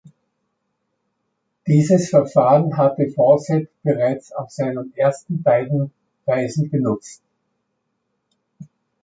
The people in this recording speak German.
Dieses Verfahren hatte Fawcett bereits auf seinen ersten beiden Reisen benutzt.